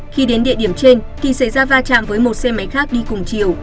khi đến địa điểm trên thì xảy ra va chạm với một xe máy khác đi cùng chiều